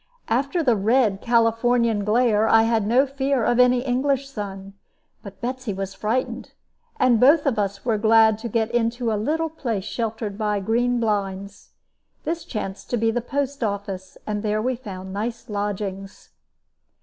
After the red Californian glare, I had no fear of any English sun; but Betsy was frightened, and both of us were glad to get into a little place sheltered by green blinds. This chanced to be the post office, and there we found nice lodgings.